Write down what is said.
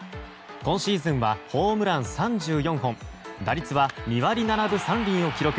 今シーズンはホームラン３４本打率は２割７分３厘を記録。